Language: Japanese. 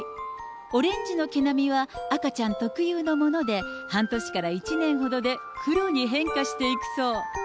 オレンジの毛並みは赤ちゃん特有のもので、半年から１年ほどで黒に変化していくそう。